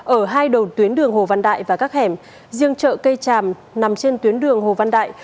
ở hai đầu tuyến đường hồ văn đại và các hẻm riêng chợ cây tràm nằm trên tuyến đường hồ văn đại